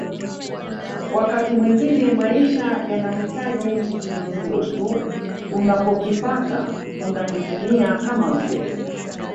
Wakati mwingine maisha yanahitaji kisingizio tu unapokipata unakitumia kama mzee